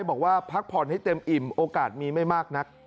บอกว่าพักผ่อนให้เต็มอิ่มโอกาสมีไม่มากนัก